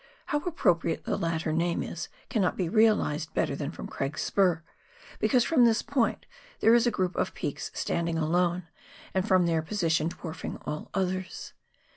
How appropriate the latter name is cannot be realised better than from Craig's Spur, because from this point there is a group of peaks standing alone, and from their position dwarfing all others.